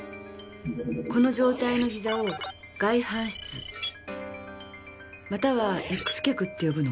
この状態の膝を外反膝またはＸ脚って呼ぶの。